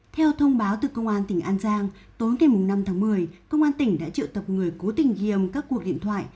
theo thông báo từ công an tỉnh an giang tối ngày năm tháng một mươi công an tỉnh đã triệu tập người cố tình ghiềm các cuộc điện thoại